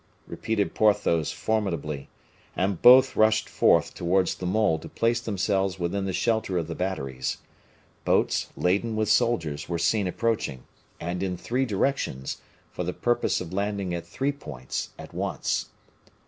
repeated Porthos, formidably. And both rushed forth towards the mole to place themselves within the shelter of the batteries. Boats, laden with soldiers, were seen approaching; and in three directions, for the purpose of landing at three points at once.